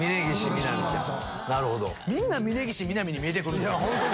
みんな峯岸みなみに見えてくるんすよ。